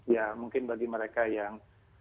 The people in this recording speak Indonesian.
ya mungkin bagi mereka yang